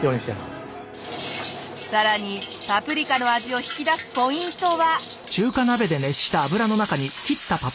さらにパプリカの味を引き出すポイントは。